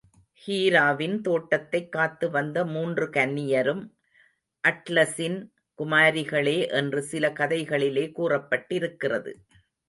ஹீராவின் தோட்டத்தைக் காத்து வந்த மூன்று கன்னியரும் அட்லஸின் குமாரிகளே என்று சில கதைகளிலே கூறப்பட்டிருக்கிறது.